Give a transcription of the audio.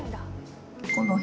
この辺。